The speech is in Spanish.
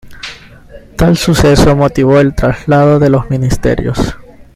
Tal suceso motivó el traslado de los ministerios.